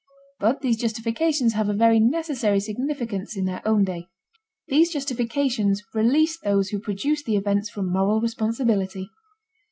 But these justifications have a very necessary significance in their own day. These justifications release those who produce the events from moral responsibility.